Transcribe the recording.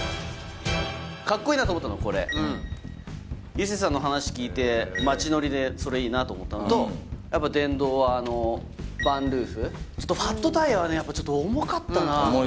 かっこいいなと思ったのこれ一生さんの話聞いて街乗りでそれいいなと思ったのとやっぱ電動はＶａｎＭｏｏｆファットタイヤはねやっぱちょっと重かったな